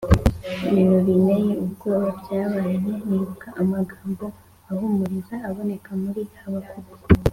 bintu biteye ubwoba byabaye Nibuka amagambo ahumuriza aboneka muri Habakuki